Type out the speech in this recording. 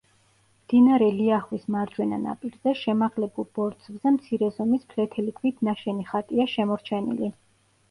მდინარე ლიახვის მარჯვენა ნაპირზე, შემაღლებულ ბორცვზე მცირე ზომის ფლეთილი ქვით ნაშენი ხატია შემორჩენილი.